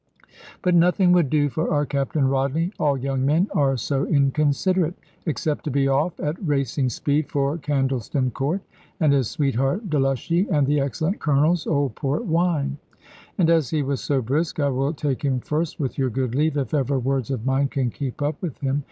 But nothing would do for our Captain Rodney all young men are so inconsiderate except to be off at racing speed for Candleston Court, and his sweetheart Delushy, and the excellent Colonel's old port wine. And as he was so brisk, I will take him first, with your good leave, if ever words of mine can keep up with him.